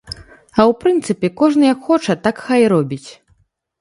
А ў прынцыпе, кожны як хоча так хай і робіць.